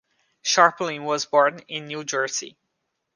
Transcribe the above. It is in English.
Scharpling was born in New Jersey.